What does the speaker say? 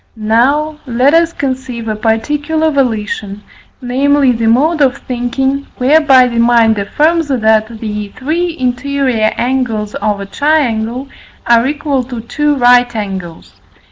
Now let us conceive a particular volition, namely, the mode of thinking whereby the mind affirms, that the three interior angles of a triangle are equal to two right angles.